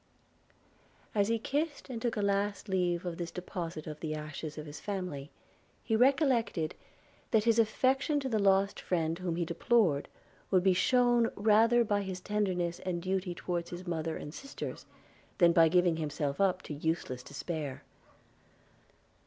– As he kissed and took a last leave of this deposit of the ashes of his family, he recollected, that his affection to the lost friend whom he deplored would be shewn rather by his tenderness and duty towards his mother and sisters, than by giving himself up to useless despair.